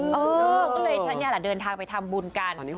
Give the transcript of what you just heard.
อ๋อเฮ้สเนี่ยนะเดินทางไปทำบุญกัน